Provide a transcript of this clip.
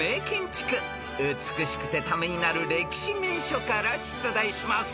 ［美しくてためになる歴史名所から出題します］